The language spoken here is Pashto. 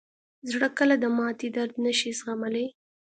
زړه کله د ماتې درد نه شي زغملی.